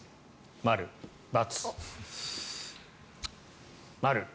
○、×、○。